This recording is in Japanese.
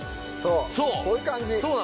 そうこういう感じ